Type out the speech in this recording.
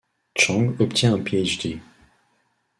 Chang obtient un Ph.D.